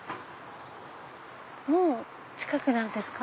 もう近くなんですか？